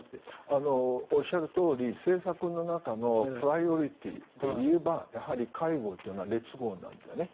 おっしゃるとおり政策の中のプライオリティーでいえばやはり介護というのは劣後なんだよね。